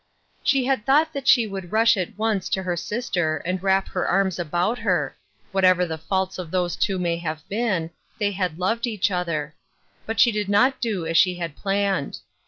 She had thought that she would rush at once to her sister and wrap her arms about her — whatever the faults of these two may have been, they had loved each other — but she did not do as she had planned.